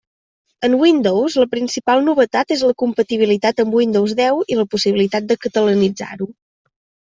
En Windows la principal novetat és la compatibilitat amb Windows deu i la possibilitat de catalanitzar-ho.